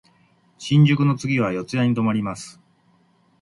新宿の次は四谷に止まります。